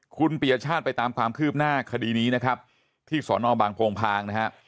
คุณปียชาติไปตามความคืบหน้าคดีนี้นะครับที่สอนอบางโพงพางนะฮะ